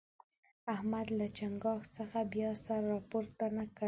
احمد له چينګاښ څخه بیا سر راپورته نه کړ.